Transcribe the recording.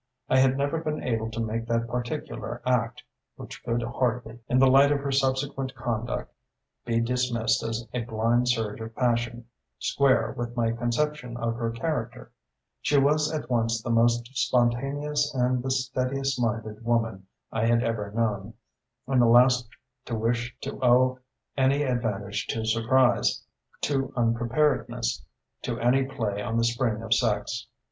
I had never been able to make that particular act which could hardly, in the light of her subsequent conduct, be dismissed as a blind surge of passion square with my conception of her character. She was at once the most spontaneous and the steadiest minded woman I had ever known, and the last to wish to owe any advantage to surprise, to unpreparedness, to any play on the spring of sex.